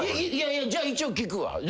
いやじゃあ一応聞くわ。